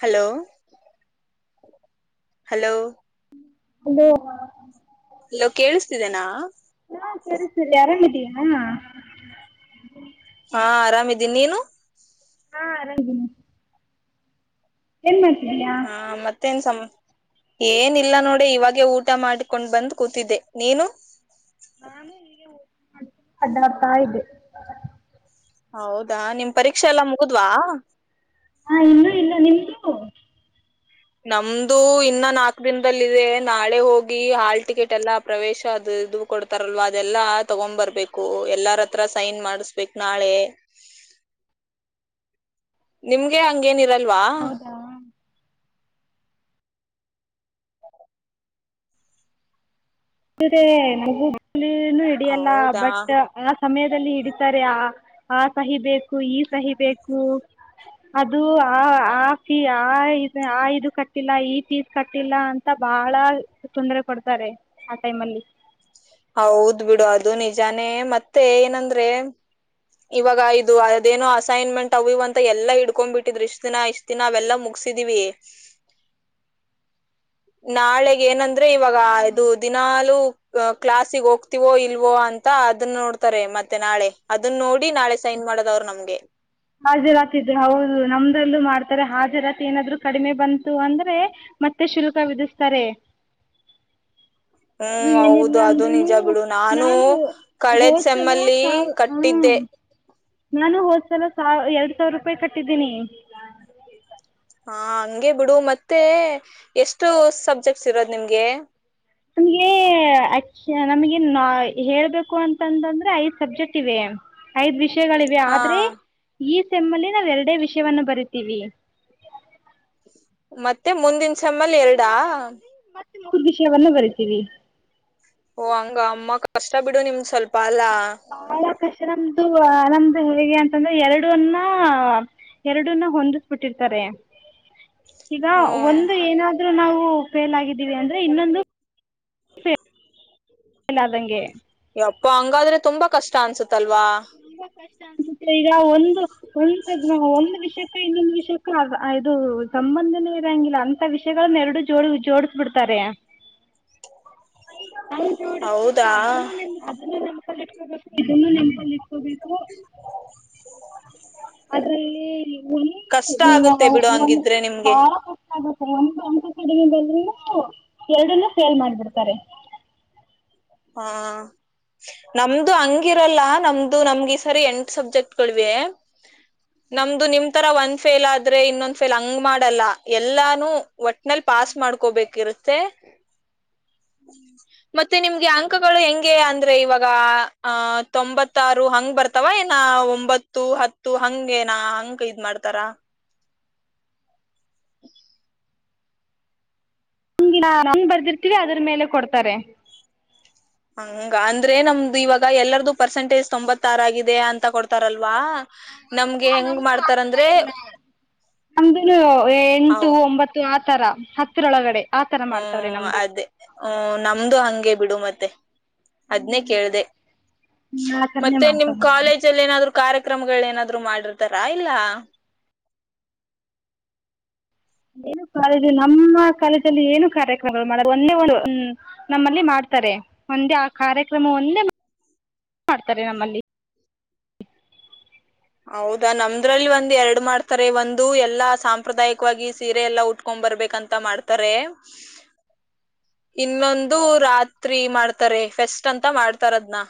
hello hello hello hello ಕೇಳಿಸ್ತಿದೆನಾ ಹ ಹಾ ಆರಾಮಿದ್ದೀನಿ ನೀನು ಹಾ ಆರಾಮೇನೆ ಏನ್ ಮಾಡ್ತ ಹಾ ಮತ್ತೇನ್ ಸಮ ಏನಿಲ್ಲ ನೋಡ ಇವಾಗೇ ಊಟ ಮಾಡಕೊಂಡ್ ಬಂದ್ ಕೂತಿದ್ದೆ ನೀನು ಅಡ್ಡಡ್ತಾ ಇದೆ ಹೌದಾ ನಿಮ್ ಪರೀಕ್ಷೆ ಎಲ್ಲ ಮುಗುದ್ವಾ ಹಾ ಇನ್ನುೂ ಇಲ್ಲ ನಿಮ್ದು ನಮ್ದು ಇನ್ನ ನಾಕ್ ದಿನದಲ್ಲ ಇದೆ ನಾಳೆ ಹೋಗಿ ಹಾಲ್ ಟಿಕೆಟ್ ಎಲ್ಲಾ ಪ್ರವೇಶ ಅದು ಇ ಕೊಡ್ತಾರಲ್ವಾ ಅದೆಲ್ಲಾ ತಗೊಂಡ್ ಬರ್ಬೇಕು ಎಲ್ಲಾರತ್ರ ಸೈನ್ ಮಾಡಸ್ಬೇಕ ನಾಳೆ ನಿಮ್ಗೆ ಹಂಗೇನಿರ ಹೌದಾ ಅಗ ಅಲ್ಲಿ ಹಡಿಯಲ್ಲ ಹೌದಾ ಬಟ್ ಸಮಯದಲ್ಲಿ ಹಿಡಿತಾರೆ ಆ ಆ ಸಹಿ ಬೇಕು ಈ ಸಹಿ ಬೇಕು ಅದು ಆ ಆೀ ಆ ಆ ಇದು ಕಟ್ಟಿಲ್ಲ ಈ ಫೀಸ್ ಕಟ್ಟಿಲ್ಲ ಅಂತ ಬಹಳ ತೊಂದರೆ ಕೊಡ್ತಾರೆ ಆ ಟೈಮ್ ಅಲ್ಲಿ ಹೌದ್ ಬಿಡು ಅದು ನಿಜಾನೇ ಮತ್ತೆ ಏನಂದ್ರೆ ಇವಾಗ ಇದು ಅದೇನೋ ಅಸೈನ್ಮೆಂಟ್ ಅವವ್ ಅಂತ ಎಲ್ಲಾ ಇಡ್ಕೊಂಡ್ಬಿಟ್ಟಿದ್ರರು ಇಷ್ಟ ದಿನ ಇಷ್ಟ ದಿನ ಅವೆಲ್ಲಾ ಮುಗಸಿದಿವವಿ ನಾಳಗ ಏನಂದ್ರೆ ಇವಾಗ ಇದು ದಿನಲುೂ ಕ್ಲಾಸಗ್ ಹೋಗ್ತಿವೋ ಇಲ್ವೋ ಅಂತ ಅದನ್ನ ನೋಡ್ತಾರೆ ಮತ್ತೆ ನಾಳೆ ಅದನ್ನ ನೋಡಿ ನಾಳೆ ಸೈನ್ ಮಾಡೋದ ಅವ್ರು ನಮ್ಗೆ ಹಾಜಿರಾತ ಇದ್ರೆ ಹೌದು ನಮ್ದಲ್ಲೂ ಮಾಡ್ತಾರೆ ಹಾಜರಾತಿ ಏನಾದ್ರು ಕಡಿಮೆ ಬಂತು ಅಂದ್ರೆ ಮತ್ತೆ ಶುಲ್ಕ ವಿಧಿಸ್ತಾರೆ ಅದು ಹ್ಮ್ ಏನಿಲ್ಲ ಹೌದು ಅದು ನಿಜ ಅಂದ್ರೂ ಬಿಡು ನಾನು ಕಳೆದ್ ಹೋದ ಸಲ ಸೆಮ್ಮಲ್ಲಿ ಸಾವ್ ಹಾಂ ಕಟ್ಟಿದ್ದೆ ನಾನು ಹೋದ್ಸಲ ಸಾವ ಎರಡ್ ಸಾವಿರ ರೂಪಾಯಿ ಕಟ್ಟಿದ್ದೀನಿ ಹಾ ಹಗೆ ಬಿಡು ಮತ್ತೆ ಎಷ್ಟು ಸಬ್ಜೆಕ್ಟ್ಸ್ ಇರೋದು ನಿಮ್ಗೆ ನಮಗೆ ಆಕ್ಷೆ ನಮಗೆ ನ ಹೇಳ್ಬೇಕು ಅಂತಂದಂದ್ರೆ ಐದ್ ಸಬ್ಜೆಕ್ಟ್ ಇವೆ ಐದ್ ವಿಷಯ ಗಳಿವೆ ಹಾ ಆದ್ರೆ ಈ ತಮ್ಮಲ್ಲಿ ನಾವ್ ಒೆ ವಿಷಯವನ್ನು ಬರಿತೀವಿ ಹ ಮತ್ತೆ ಮುಂದಿನ ಚಮ್ಮಲ್ ಎರಡಾ ಮತ್ತು ವಿಷಯವನ್ನು ಬರಿತೀವಿ ಓ ಹಂಗ ಅಮ್ಮ ಕಷ್ಟ ಬಿಡು ನಿಮ್ ಸ್ವಲ್ಪ ಅಲ್ಲಾ ಬಹಳ ಕಷ್ಟ ನಮ್ದು ಅಂದು ಹೇಗೆ ಅಂತಂದ್ರೆ ಎರಡನ್ನ ಎರಡನ್ನ ಹೊಂದಿಸ್ಬಿಟ್ಟಿರ್ತಾರೆ ಈಗ ಹ್ಮ್ ಒಂದು ಏನಾದೂ ನಾವು ಫೇಲ್ ಆಗಿದ್ದೀವಿ ಅಂದ್ರೆ ಇನ್ನೊಂದು ಫಲ್ ಆದಂಗೆ ಅಪ್ಪ ಹಂಗಾದ್ರೆ ತುಂಬಾ ಕಷ್ಟ ಅನ್ಸುತ್ತೆ ತಲ್ವಾ ಅಸುತ್ತೆ ಈಗ ಒಂದು ಉಟ ಒಂದು ವಿಷಯ ಇನ್ನೊಂದು ವಿಷಯಕ್ಕ ಇದು ಸಂಬಂಧನೂ ಇರಂಗಿಲ್ಲ ಅಂತ ವಿಷಯಗಳನ್ನ ಎರಡು ಜೋ ಜೋಡಿಸ ಬಿಿಡ್ತಾರೆ ನ ಹೌದಾ ಅದನ್ನ ಅದನ್ನ ನೆನ್ಪ [inaudible] [unintelligible] ಬೇಕು ಅದ್ರಲ್ಲಿ ಕಷ್ಟ ಆಗುತ್ತೆ ಬಿಡು ಒ ಹಂಗಿದ್ರೆ ನಿಮ್ಗೆ ಬಾಳುತ್ತೆ ಒ ಅಂಕ ಕಡಿಮೆ ಬಲ್ ಎರಡನ್ನು ಸೇಲ್ ಮಾಡ್ಬಿಡ್ತಾರೆ ಹಾ ನಮ್ದು ಹಂಗಿರಲ್ಲ ನಮ್ದು ನಮ್ಗೆ ಈ ಸರಿ ಎಂಟ ಸಬ್ಜೆಕ್ಟ್ಗಳಿವ ನಮ್ದು ನಿಮ್ ತರ ಒಂದ ಫೇಲ್ ಆದ್ರೆ ಇನ್ನೊಂದು್ ಫೇಲ್ ಹಂಗ್ ಮಾಡಲ್ಲ ಎಲ್ಲಾನು ಒಟ್ಟ ಮೇಲ್ಲಿ ಪಾಸ್ ಮಾಡ್ಕೋಬೇಕಿರುತ್ತೆ ಮತ್ತೆ ನಿ ಹಗೆ ಅಂಕಗಳು ಹೆಂಗೆ ಅಂದ್ರೆ ಇವಾಗ ಅಹ ತೊಂಬತ್ತಾರು ಹಂ್ ಬರ್ತಾವ ಏನ ಒಂಬತ್ತು ಹತ್ತು ಹಂಗ ನ ಅಂಕ ಇದ್ ಮಾಡ್ತಾರ ಹಂಗ್ ಬರ್ದಿರ್ತೀವಿ ಅದ್ರ ಮೇಲೆ ಕೊಡ್ತಾರೆ ಹಂಗ ಅಂದ್ರೆ ನಮ್ದು ಇವಾಗ ಎಲ್ಲಾರ್ದು ಪರ್ಸೆಂಟೇಜ್ ತೊಂಬತ್ತ ಆಾರ ಆಗಿದೆ ಅಂತ ಕೊಡ್ತಾರಲ್ವಾ ನಮ್ಗೆ ಹೆಂಗ್ ನಮ್ದು ಆಥರ ಮಾಡ್ತಾರಂದ್ರೆ ಇಲ್ಲ ನಮ್ದ ಎಂಟು ಅವ್ ಒಂಬತ್ತು ಆ ಹತ್ತರ ಹತ್ತಿರೊಳಗಡೆ ಹ್ಮ ಅದೇ ಹ್ಮ ನಮ್ದು ಹಂಗೆ ಬಿಡು ಮತ್ತೆ ತ್ತ ಅದನೇ ಕೇಳ್ದ ಆತರನೇ ಮತ್ತೆ ನಿಮ ಮಾಡ್ತವ್ರೆ ಕಾಲೇಜ ಅಲ್ಲಿ ಏನಾದ್ರು ಕಾರ್ಯಕ್ರಮಗಳ ಏನಾದ್ರು ಮಾಡಿರ್ತಾರಾ ಇಲ್ಲ ಏನು ಕಾಲೇಜು ನಮ್ಮ ಕಾಲೇಜಲ್ಲಿ ಏನು ಕಾರ್ಯಕ್ರಮಗಳು ಒಂದೆ ಹ್ಮ ನಮ್ಮಲ್ಲಿ ಮಾಡ್ತಾರೆ ಒಂದೇ ಆ ಕಾರ್ಯಕ್ರಮ ಒಂದೆ ಮಾಡ್ತಾರೆ ನಮ್ಮಲ್ಲಿ ಹೌದಾ ನಮ್ದ್ರಲ್ಲಿ ಒಂದ್ ಎರಡು ಮಾಡ್ತಾರೆ ಒಂದು ಎಲ್ಲಾ ಸಾಂಪ್ರದಾಯಿಕವಾಗಿ ಸೀರೆ ಎಲ್ಲಾ ಉಟ್ಕೊಂಡ್ ಬರ್ಬೇಕಂತ ಮಾಡ್ತಾರೆ ಇನ್ನೊಂದು ರಾತ್ರಿ ಮಾಡ್ತಾರೆ ಫೆಸ್ಟ್ ಅಂತ ಮಾಡ್ತಾರ ಅದ್ನ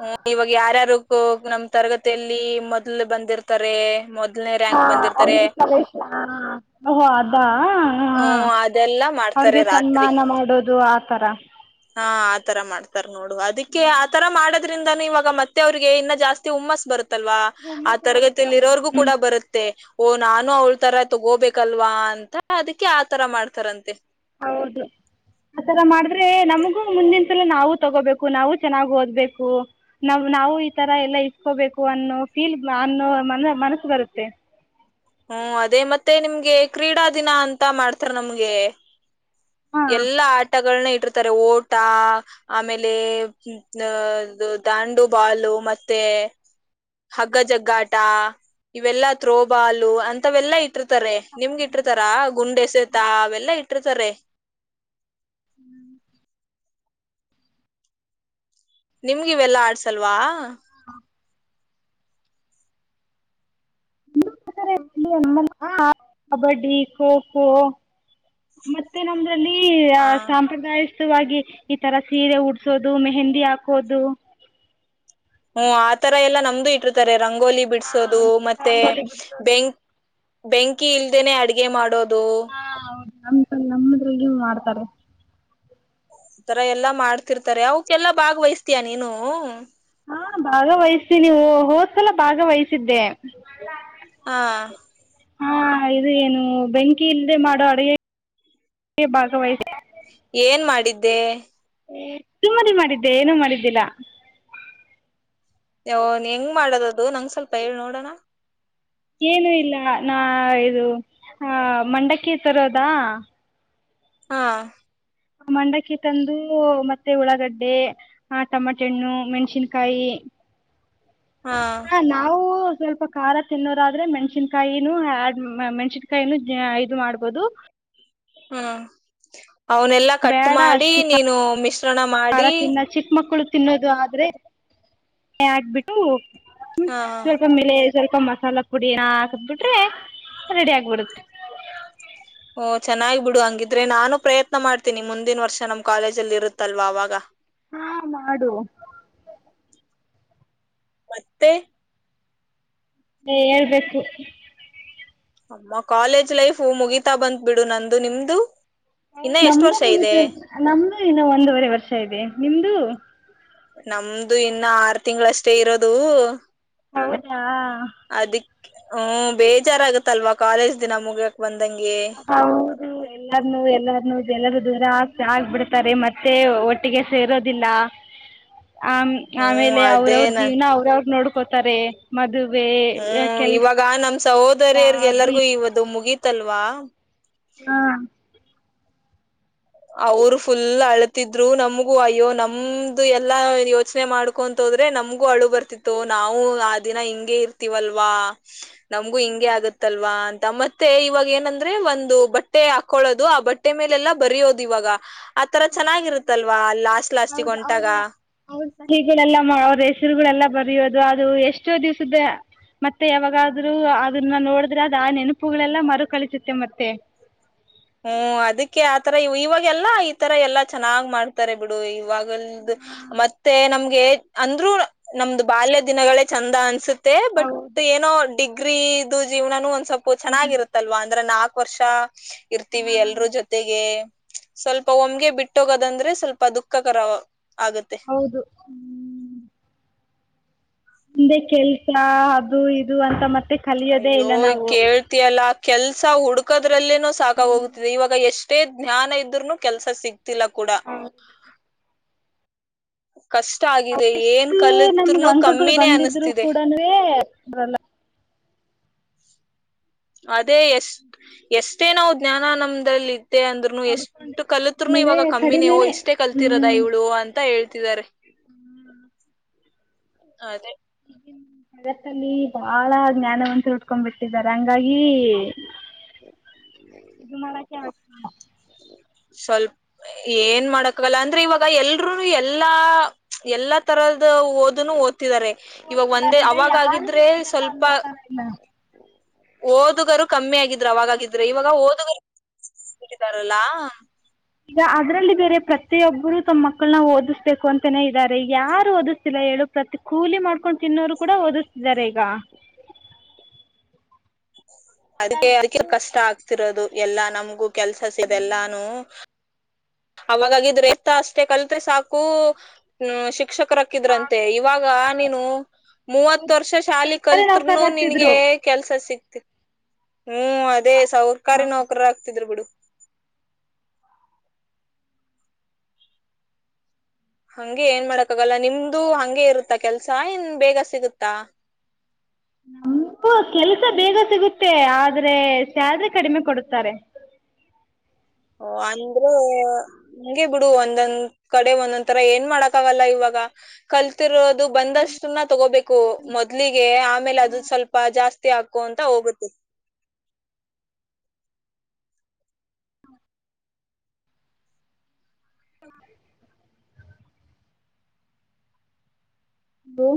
ಹ್ಮ ಇವಾಗ ಯಾರಾರು ಹ ನಮ್ ತರಗತಿಯಲ್ಲಿ ಮೊದ್ಲು ಬಂದಿರ್ತಾರೆ ಮೊದ ಹ ಅದಾ ಹ ಹ್ಮ್ ಅದೆಲ್ಲಾ ಮಾಡ್ತಾರೆ ಅವ್ರಿಗೆ ರಾತ್ರಿ ಸನ್ಮಾನ ಮಾಡೋದು ಆತರ ನೋಡ ಅದಕ್ಕೆ ಆತರ ಮಾಡ ಿಂದ ಇವಾಗ ಮತ್ತೆ ಅವ್ರರಿಗೆ ಇನ್ನ ಜಾಸ್ತಿ ಹುಮ್ಮಾಸ್ ಬತ್ತೆ ಲ್ವಾ ಆ ತರಗತಿಯಲ್ಲಿ ಇರೋರ್ಗೂ ಕೂಡ ಬರುತ್ತೆ ಓಹ ನಾನು ಅವಳ ತರ ತಗೋಬೇಕಲ್ವಾ ಅಂತ ಅದಕ್ಕೆ ಆತರ ಮಾಡ್ತಾರಂತೆ ಹೌದು ಆತರ ಮಾಡಿದ್ರೆ ನಮಗೂ ಮುಂದಿನ ಸಲ ನಾವು ತಗೋಬೇಕು ನಾವು ಚೆನ್ನಾಗ್ ಓದ್ಬೇಕು ನಾವ್ ನಾವು ಈ ತರ ಎಲ್ಲಾ ಇಸ್ಕೋಬೇಕು ಅನ್ನೋ ಫೀಲ್ ಅನ್ನೋ ಮ ಮನಸ್ಸು ಬರುತ್ತೆ ಹ್ಮ ಅದೇ ಮತ್ತೆ ನಿಮ್ಗೆ ಕ್ರೀಡಾ ದಿನ ಅಂತ ಮಾಡ್ತಾರ ನಮ್ಗೆ ಹಾಂ ಎಲ್ಲಾ ಆಟಗಳನ್ನ ಇರ್ತಾರೆ ಓಟ ಆಮೇಲೆ ದಾಂಡುಬಾಲು ಮತ್ತೆ ಹಗ್ಗ ಜಗ್ಗಾಟ ಇವೆಲ್ಲ ತ್ರೋಬಾಲು ಅಂತವೆಲ್ಲಾ ಇ ಇಟ್ಟಿರ್ತಾರೆ ನಿಮ್ಗೆ ಇಟ್ಟಿರ್ತಾರ ಗುಂಡೆ ಸೇತಾ ಅವೆಲ್ಲ ಇ ಎ ತರ ಹ್ಮ್ ನಿಮ್ಗ ಇವೆಲ್ಲಾ ಆಡ್ಸಲ್ವಾ ಕಬಡ್ಡಿ ಖೋಖೋ ಮತ್ತೆ ನಮ ಆ ಸಾಂಪ್ರದಾಯಿಕ ತ ಈ ತರ ಸೀರೆ ಉಡ್ಸೋದು ಮೆಹಂದಿ ಹಾಕೋದು ಹ್ಮ್ ಆತರ ಎಲ್ಲ ನಮ್ದು ಇಟ್ಟಿರ್ತಾರೆ ರಂಗೋಲಿ ಬಿಡ್ಸೋದು ಮತ್ತೆ ಬೆಂಕ್ ಬೆಂಕಿ ಇಲ್ದೇನೆ ಅಡ್ಗೆ ಮಾಡೋದು ಹೌ ನಮ್ ನಮ್ಮದ್ರಗ ಮಾಡ್ತಾರೆ ಆ ತರ ಎಲ್ಲಾ ಮಾಡ್ತಿರ್ತಾರೆ ಅವಕ್ಕೆಲ್ಲಾ ಭಾಗ್ವಹಿಸತೀಯ ನೀನು ಹಾ ಭಾಗ ವಹಸ್ತೀ ನೀವು ಹೋದ್ಸಲ ಭಾಗ ವಹಸಿದ್ದೆ ಹಾ ಹಾ ಇದು ಏನು ಬೆಂಕಿ ಇಲ್ಲದೆೇ ಮಾಡುವ ಅಡುಗೆ ಭಾಗವಹಿಸಿ ಏನ್ ಮಾಡಿದ್ದೆ ಸುಮ್ಮನೆ ಮಾಡಿದ್ದೆ ಏನುೂ ಮಾಡಿದ್ದಿಲ್ಲ ಹೆಂಗ್ ಮಾಡದದು ನಂಗ್ ಸ್ವಲ್ಪ ಹೇಳಳ್ ನೋಡೋಣ ಏನು ಇಲ್ಲ ನಾ ಇದು ಆ ಮಂಡಕ್ಕೆಿ ತರೋದಾ ಹಾ ಮಂಡಕ್ಕಿ ತಂದು ಮತ್ತೆ ಉಳ್ಳಾಗಡ್ಡೆ ಆ ಟಮಾಟೆ ಹಣ್ಣು ಮೆಣಸಿನ್ಕಾಯಿ ಹಾ ನಾವು ಸ್ವಲ್ಪ ಖಾರ ತಿನ್ನೋದಾದ್ರೆ ಮೆಣ್ಸಿನ್ಕಾಯಿನೂ ಆಡ್ ಮೆಣ್ಸಿನ್ಕಾಯಿನ ಇದು ಮಾಡ್ಬಹದು ಹ್ಮ ಅವನೆಲ್ಲಾ ಕಟ್ ಬೇಡ ಮಾಡಿ ಅಷ್ಟು ನೀನು ಮಿಶ್ರಣ ಖಾರ ಮಾಡಿ ತಿನ್ನ ಚಿಕ್ಕ ಮಕ್ಕಳು ತಿನ್ನೋದು ಆದ್ರೆ ಆಕ್ಬಿಟ್ಟು ಹ್ಮ ಹಾ ಸ್ವಲ್ಪ ಮೇಲೆ ಸ್ವಲ್ಪ ಮಸಾಲಾ ಪುಡನ ಹಾಕಬಿಟ್ರೆ ರೆಡಿ ಆಗ್ಬಡತ್ತೆ ಓ ಚೆನ್ನಾಗ್ ಬಿಡು ಹಂಗಿದ್ರೆ ನಾನು ಪ್ರಯತ್ನ ಮಾಡ್ತೀನಿ ಮುಂದಿನ ವರ್ಷ ನಮ್ ಕಾಲೇಜಲ್ಲಿ ಇರುತ್ತಲ್ವಾ ಅವಾಗ ಹಾ ಮಾಡು ಮತ್ತತೆ ೇ ಹೇಳ್ಬೇಕು ಅಮ್ಮ ಕಾಲೇಜ್ ಲೈಫ್ ಮುಗೀಿತಾ ಬಂತು ಎಷ್ಟ್ ನಮ್ದು ವರ್ಷ ಮು ಇದೆ ನಮ್ದು ಇನ್ನು ಒಂದೂವರೆ ವರ್ಷ ಇದೆ ನಿಮ್ದು ಹ ನಮ್ದು ಇನ್ನು ಆರು ತಿಂಗಗಳಷ್ಟೇ ಇರೋದು ಹೌದಾ ಹ್ಮ ಬೇಜಾರ ಆಗತ್ತಲ್ವಾ ಕಾಲೇಜ್ ದಿನ ಮುಗಿಯ್ಯಾಕಕ್ ಬಂದ ಹೌದು ಎಲ್ಲಾರ್ನು ಎಲ್ಲಾರ್ನುೂ ಎಲ್ಲರು ದೂರ ಆ ಆಗ್ಬಿಡ್ತಾರೆ ಮತ್ತೆ ಒಟ್ಟಿಗೆ ಸೇರೋದಿಲ್ಲ ಆ ಹ್ಮ್ ಆಮೇಲೆ ಅದೇ ಅವ್ರವ್ರ ನಾ ಜೀವನ ಅವ್ರವ್ರ ನೋಡ್ ಕೋತಾರೆ ಮದ್ ಹ್ಮ್ ಇವಾಗ ನಮ್ ಸಹೋದರಿರ್ಗೆ ಅದು ಎಲ್ಲರಿಗೂ ಇವತ್ತು ಮುಗಿ ತಲ್ವಾ ಹಾ ಅವರು ಫುಲ್ ಅಳತಿದ್ರು ನಮ್ಗೂ ಅಯ್ಯೋ ನಮ್ದು ಎಲ್ಲಾ ಯೋಚನೆ ಮಾಡ್ಕೊಂತ ಹೋದ್ರೆ ನಮ್ಗೂ ಅಳು ಬರ್ತಿತ್ತು ನಾವು ಆ ದಿನ ಹಿಂಗಗೆ ಇರ್ತಿವಲ್ವಾ ನಮ್ಗೂ ಹಿಂಗಗೆ ಆಗತ್ತಲ್ವಾ ಅಂತ ಮತ್ತೆ ಇವಾಗ ಏನಂದ್ರೆ ಒಂದು ಬಟ್ಟೆ ಹಾಕಳೋದು ಆ ಬಟ್ಟೆ ಮೇಲೆಲ್ಲಾ ಬರಿಯೋದು ಇವಾಗ ಆತರ ಚೆನ್ನಾಗಿರುತ್ತಲ್ವಾ ಲಾಸ್ಟ್ ಲಾಸ್ಟಿಗೆ ಹೊಂಟಾಗ ಮಲಿಿಗಳೆಲ್ಲಾ ಅವ್ರ ಹೆಸರುಗಳೆಲ್ಲ ಬರೆಯೋದು ಅದು ಎಷ್ಟೋ ದಿವ್ಸದ ಮತ್ತೆ ಯಾವಾಗಾದ್ರೂ ಅದನ್ನ ನೋಡಿದ್ರೆ ಅದು ಆ ನೆನಪುಗಳೆಲ್ಲ ಮರುಕಳಿಸುತ್ತೆ ಮತ್ತೆ ಹ್ಮ್ ಅದಕ್ಕೆ ಆತರ ಇವಾಗ ಎಲ್ಲಾ ಈ ತರ ಎಲ್ಲಾ ಚೆನ್ನಾಗ್ ಮಾಡ್ತಾರೆ ಬಿಡು ಇವಾಗ ಮತ್ತೆ ನಮ್ ಅಂದ್ರೂ ನಮ್ದು ಬಾಲ್ಯ ದಿನಗಳೇ ಚಂದ ಅನ್ಸುತ್ತೆ ಬಟ್ ಏನೋ ಡಿಗ್ ಗೀಿದ ಜೀವನ ಒಂದ ಸ್ಲ್ಪ ಚೆನ್ನಾಗಿರುತ್ತಲ್ ಅಂದ್ರೆ ನಾಕು ವರ್ಷ ಇರ್ತೀವಿ ಎಲ್ರೂ ಜೊತೆಗೆ ಸ್ವಲ್ಪ ಒಮ್ಗೆ ಬಿಟ್ಟೋಗೋದಂದ್ರೆ ಸ್ವಲ್ಪ ದುಃಖಕರ ಆಗುತ್ತೆ ಹೌದು ಹ್ಮ್ ಮು್ದೆ ಕೆಲ್ಸ ಅದು ಇದು ಅಂತ ಮತ್ತೆ ಕಲಿಯೋದೇ ಅಯ್ಯೋ ಇಲ್ಲ ನಾವು ಕೇಳ್ತಿಯಲ್ಲಾ ಕೆಲ್ಸ ಹುಡುಕದ ಅರಲ್ಲೇ ಸಾಕ ಹೋಗುತ್ತದೆ ಇವಾಗ ಎಷ್ಟು ಅಷ್ಟೇ ಜ್ಞಾನ ಇದ್ರರುನು ಕೆಲ್ಸ ಸಿಗ್ ತಿಲಕೂಡ ಏನ್ ಅಷ್ಟ ನಮ್ಗ ಕಲಿತ್ರುನು ಅಂಕಗಳು ಕಮ್ಮಿನೇ ಬಂದಿದ್ರು ಅನಿಸ್ತಿದೆ ಕೂಡನುೇಲ್ಲ ಅದ ಅೇ ಎಷ್ಟ ಎಷ್ಟೇ ನಾವು ಜ್ಞಾನಾನಂದದಲ್ಲಿ ಅಂದ್ನು ಎಷ್ಟು ಕಲತ್ರುನು ಇವಾಗ ಕಮ್ಮಿಿನ ನೀವು ಕಡಿಮೆನೆ ಇಷ್ಟೇ ಕಲ್ತಿರದ ಇವ್ಳು ಅಂತ ಹೇ ಿದ್ದಾರೆ ಹ್ಮ್ ಅದೇ ಜಗತಲ್ಲಿ ಬಾಳ ಜ್ಞಾನವ ಉಟ್ಕೊಂಡ್ ಬಿಿಟ್ಟಿದ್ದಾರೆ ಹಂಗಾಗಿ ಇದು ಮಳ ಕೆ ಹ್ಮ ಸ್ವಲ್ಪ ಏನ್ ಮಾಡಕ್ಕಲ್ಲ ಅಂದ್ರೆ ಇವಾಗ ಎಲ್ರುೂನು ಎಲ್ಲಾ ಎಲ್ಲಾ ತರದ ಓದನು ಓದ್ ಇವಾಗ ಒಂದೇ ಅವಾಗಾಗಿದ್ರೆ ಸ್ವಲ್ಪ ಓದುಗರು ಕಮ್ಮಿ ಆಗಿದ್ರರು ಅವಾಗಾಗಿದ್ರೆ ಇವಾಗ ಓದುಗರು ತಾರಲ್ಲಾ ಈಗ ಅದರಲ್ಲಿ ಬೇರೆ ಪ್ರತಿಯೊಬ್ಬರು ತಮ್ಮ್ ಮಕ್ಕಳನ್ನ ಓದಿಸ್ಬೇಕು ಅಂತಾನೇ ಇದ್ದಾರೆ ಈಗ ಯಾರು ಓದಿಸ್ತಿಲ್ಲ ಹೇಳು ಪ್ರತಿ ಕೂಲಿ ಮಾಡ್ಕೊಂಡು ತಿನ್ನೋರು ಕೂಡ ಓದಿಸ್ತಿದ್ದಾರೆ ಈಗ ಅದಕ್ಕೆ ಅದಕ್ಕೆ ಕಷ್ಟ ಆಗ್ತಿರೋದು ಎಲ್ಲಾ ನಮ್ಗು ಕೆಲ್ಸಸ ಇದೆಲ್ಲಾನು ಅವಾಗಾಗಿದ್ರ ಎತ್ತ ಅಷ್ಟೇ ಕಲತ್ೆ ಸಾಕು ಶಿಕ್ಷಕರ ಹಾಕಿದ್ರಂತೆ ಇವಾಗ ನೀನು ಮೂವತ್ ವರ್ಷ ಶಾಲಿ ಸರ್ಕಾರಿ ಕಲ್ತ್ನು ನಿನ್ಗೆ ನೌಕರರಾಗ್ತಿದ್ರು ಕೆಲ್ಸ ಸಿಕ್ ಹ ಹ್ಮ್ ಅದೇ ಸೌಕಾರಿ ನೌಕರ ಆಗ್ತಿದ್ರರು ಬಿಡು ಹಗೆ ಏನ್ ಮಾಡಕ್ಕ ಆಾಗಲ್ಲ ನಿಮ್ದು ಹಂಗಗೆ ಇರುತ್ತಾ ಕೆಲ್ಸ ಇನ್ ಬೇಗ ಸಿಗುತ್ತಾ ನಮಪು ಕೆಲ್ಸ ಬೇಗ ಸಿಗುತ್ತೆ ಆದ್ರೆ ಸ್ಯಲ್ರಿ ಕಡಿಮೆ ಕೊಡುತ್ತಾರೆ ಓ ಅಂದ್ರ ಹಗೆ ಬಿಡು ಒಂದೊಂದ್ ಕಡೆ ಒಂದೊಂದ್ ತರ ಏನ್ ಮಾಡಕ್ ಆಗಲ್ಲ ಇವಾಗ ಕಲ್ತಿರೋ ದು ಬಂದಷ್ಟ ತಗೋಬೇಕು ಮೊದಲಿಗೆ ಆಮೇಲೆ ಅದು ಸ್ವಲ್ಪ ಜಾಸ್ತಿ ಹಾಕು ಅಂತ ಹೋಗುತ್ತೆ ಹ ಹಲೋ